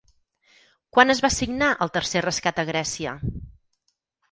Quan es va signar el tercer rescat a Grècia?